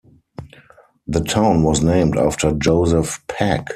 The town was named after Joseph Pack.